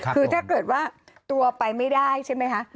คือถ้าเกิดว่าตัวไปไม่ได้ใช่ไหมคะ